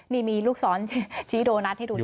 นี่มีลูกสอนชี้โดนัทให้ดูชัด